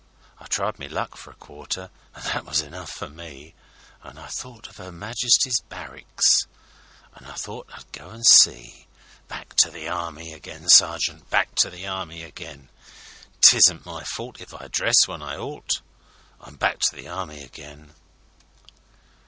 I tried my luck for a quarter, an' that was enough for me, An' I thought of 'Er Majesty's barricks, an' I thought I'd go an' see. Back to the Army again, sergeant, Back to the Army again; 'Tisn't my fault if I dress when I 'alt I'm back to the Army again!